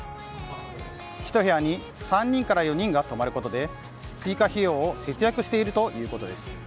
一部屋に３人から４人が泊まることで、追加費用を節約しているということです。